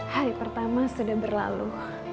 hari pertama sudah berlalu